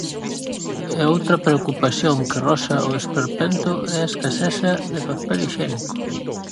E outra preocupación que roza o esperpento é a escaseza de papel hixiénico.